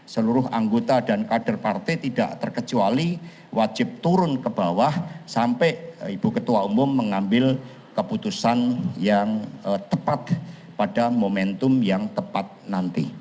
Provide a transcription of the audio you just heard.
seluruh anggota dan kader partai tidak terkecuali wajib turun ke bawah sampai ibu ketua umum mengambil keputusan yang tepat pada momentum yang tepat nanti